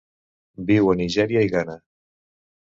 Viu a Nigèria i Ghana.